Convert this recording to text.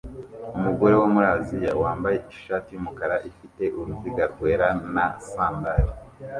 Umugore wo muri Aziya wambaye ishati yumukara ifite uruziga rwera na sandali